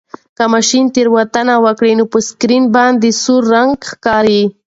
که ماشین تېروتنه وکړي نو په سکرین باندې سور رنګ ښکاري.